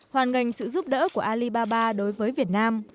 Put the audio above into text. hoàn ngành sự giúp đỡ của alibaba đối với việt nam